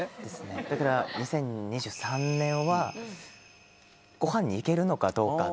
だから２０２３年はご飯に行けるのかどうか。